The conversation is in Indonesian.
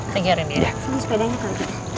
terima kasih rena